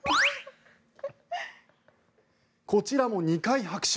こちらも２回拍手。